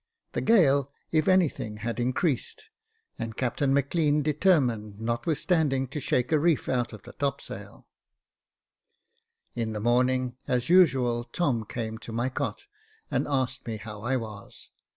The gale, if anything, had increased, and Captain Maclean determined, notwith standing, to shake a reef out of the topsails. ^66 Jacob Faithful In the morning, as usual, Tom came to my cot, and asked me how I was